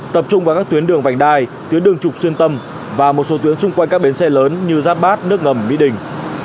tập trung vào các tuyến đường vành đai tuyến đường trục xuyên tâm và một số tuyến chung quanh các bến xe lớn như giáp bát nước ngầm mỹ đình